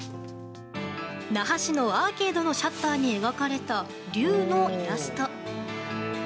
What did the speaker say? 那覇市のアーケードのシャッターに描かれた龍のイラスト。